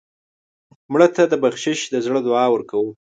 مړه ته د بخشش د زړه دعا ورکوو